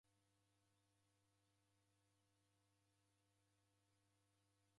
Nemkotia unitesie ukarumiria.